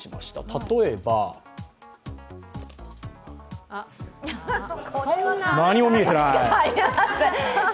例えば何も見えてなーい。